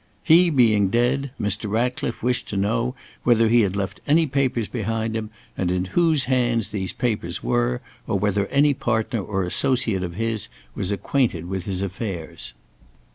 He being dead, Mr. Ratcliffe wished to know whether he had left any papers behind him, and in whose hands these papers were, or whether any partner or associate of his was acquainted with his affairs.